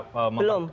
belum belum maksimal